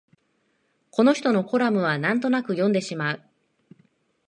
この人のコラムはなんとなく読んでしまう